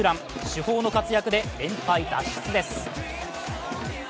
主砲の活躍で連敗脱出です。